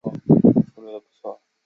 角色情绪处理的也很不错